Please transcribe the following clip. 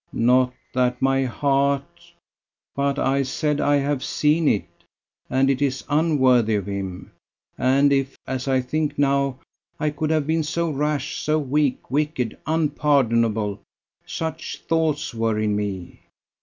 "Not that my heart ... But I said I have seen it; and it is unworthy of him. And if, as I think now, I could have been so rash, so weak, wicked, unpardonable such thoughts were in me!